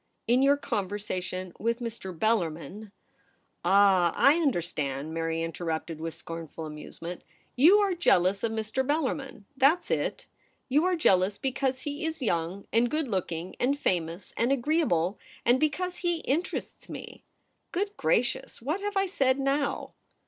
In your conversation with Mr. Bellarmin ' THE PRINCESS AT HOME. 165 ' Ah, I understand,' Mary interrupted with scornful amusement. ' You are jealous ot Mr. Bellarmin. That's it. You are jealous because he is young and good looking, and famous and agreeable, and because he inter ests me. ... Good gracious ! What have I said now